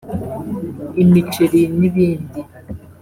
imiceri n’ibindi